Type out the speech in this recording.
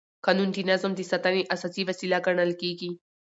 قانون د نظم د ساتنې اساسي وسیله ګڼل کېږي.